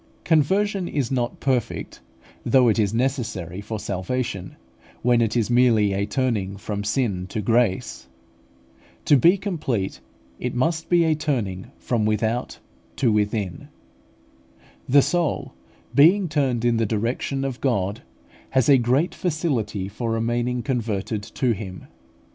Conversion is not perfect, though it is necessary for salvation, when it is merely a turning from sin to grace. To be complete, it must be a turning from without to within. The soul, being turned in the direction of God, has a great facility for remaining converted to Him.